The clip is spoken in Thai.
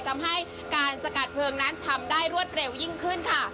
ทำให้การสกัดเพลิงนั้นทำได้รวดเร็วยิ่งขึ้นค่ะ